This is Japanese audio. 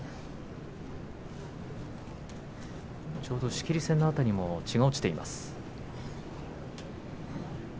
仕切り線の辺りにも血が落ちています。